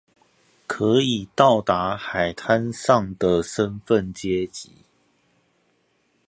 可以到達海灘上的身份階級